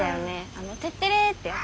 あのテッテレってやつ。